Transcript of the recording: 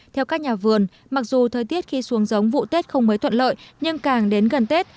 theo các nhà vườn mặc dù thời tiết khi xuống giống vụ tết không mới thuận lợi nhưng càng đến gần tết